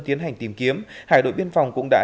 tiến hành tìm kiếm hải đội biên phòng cũng đã